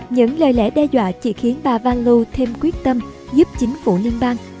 những lời lẽ đe dọa chỉ khiến bà van loo thêm quyết tâm giúp chính phủ liên bang